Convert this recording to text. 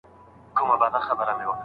غیر ضروري وخت نه ضایع کېږي.